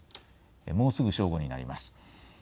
もうすぐ正午になります。